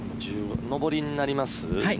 上りになります？